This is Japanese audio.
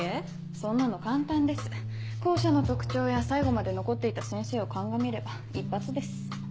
そんなの簡単です校舎の特徴や最後まで残っていた先生を鑑みれば一発です。